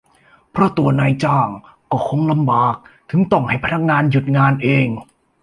เพราะตัวนายจ้างก็คงลำบากถึงต้องให้พนักงานหยุดงานเอง